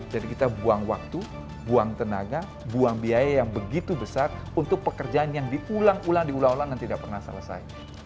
jadi kita buang waktu buang tenaga buang biaya yang begitu besar untuk pekerjaan yang diulang ulang dan tidak pernah selesai